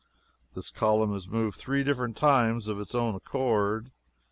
This column has moved three different times of its own accord.